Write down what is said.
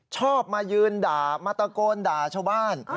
ชอบมายืนด่ามาตะโกนด่าชาวบ้าน